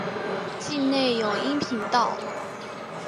境内有阴平道。